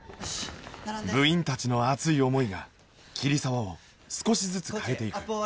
部員たちの熱い思いが桐沢を少しずつ変えていく